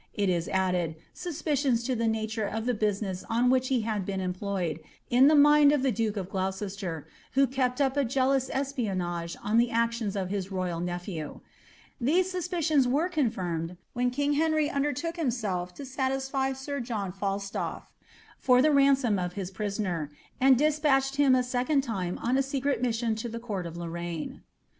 it is added, BUipicions lure of the biitriiicsB on which ho had been employed, in the mmd ff the duke of Gloucrster, who kept up a j>«lou8 egpionage on the actioniw' his myal nephpw. Theie luapiriona were conlimiei) when king licvry undertook himself to satisfy sir John Fahtolf fur the ran»un) uThiipn Boner, antt ile#palched him a second lime on a secret niiwion to lilt court of Lorraine.